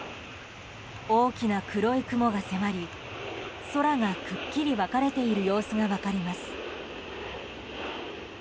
大きな黒い雲が迫り空がくっきり分かれている様子が分かります。